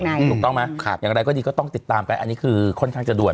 ถูกต้องไหมครับอย่างไรก็ดีก็ต้องติดตามกันอันนี้คือค่อนข้างจะด่วน